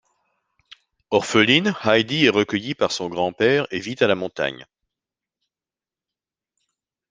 Orpheline, Heidi est recueillie par son grand-père et vit à la montagne.